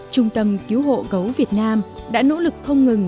trung tâm cứu hộ gấu việt nam đã nỗ lực không ngừng